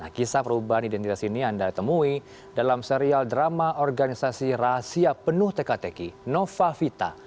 kisah perubahan identitas ini anda temui dalam serial drama organisasi rahasia penuh teka teki nova vita